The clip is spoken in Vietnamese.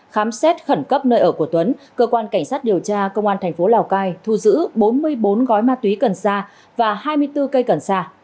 khám xét khẩn cấp nơi ở của tuấn cơ quan cảnh sát điều tra công an thành phố lào cai thu giữ bốn mươi bốn gói ma túy cần xa và hai mươi bốn cây cần sa